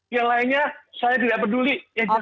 yang lainnya saya tidak peduli